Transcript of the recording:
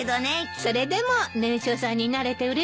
それでも年少さんになれてうれしいわよね。